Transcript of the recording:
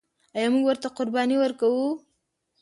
آیا موږ ورته قرباني ورکوو؟